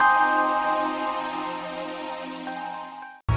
tante jangan ano duluan